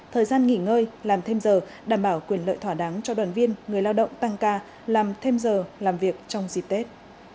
thời gian nghỉ ngơi làm thêm giờ đảm bảo quyền lợi thỏa đáng cho đoàn viên người lao động tăng ca làm thêm giờ làm việc trong dịp tết